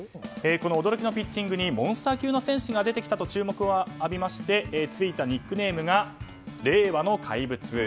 この驚きのピッチングにモンスター級の選手が出てきたと注目を浴びましてついたニックネームが令和の怪物。